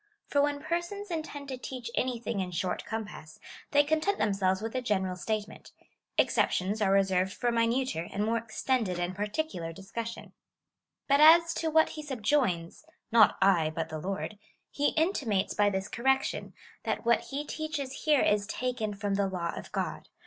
For when persons intend to teach anything in short com pass, they content themselves with a general statement. Exceptions are reserved for a minuter and more extended and particular discussion. But as to what he subjoins — not I, but the Lord — he in timates by this correction, that wdiat he teaches here is taken from the law of God.